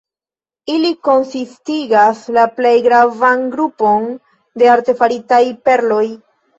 Ili konsistigas la plej gravan grupon de artefaritaj perloj.